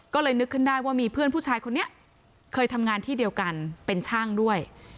ก็เลยนึกขึ้นได้ว่ามีเพื่อนผู้ชายคนนี้เคยทำงานที่เดียวกันเป็นช่างด้วย